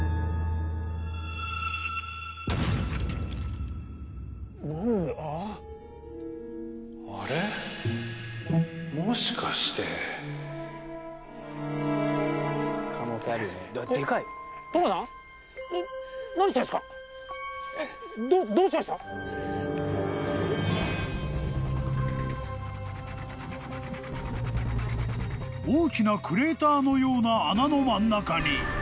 ［大きなクレーターのような穴の真ん中に］